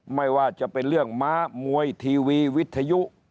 ไม่ว่าจะเป็นเรื่องม้ามวยทีวีวิทยุ